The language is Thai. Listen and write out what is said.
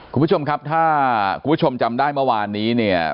คุณผู้ชมครับถ้าคุณผู้ชมจำได้เมื่อวานนี้เนี่ย